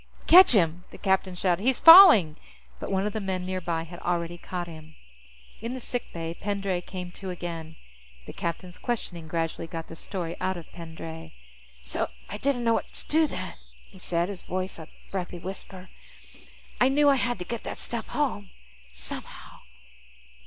"Catch him!" the captain shouted. "He's falling!" But one of the men nearby had already caught him. In the sick bay, Pendray came to again. The captain's questioning gradually got the story out of Pendray. "... So I didn't know what to do then," he said, his voice a breathy whisper. "I knew I had to get that stuff home. Somehow."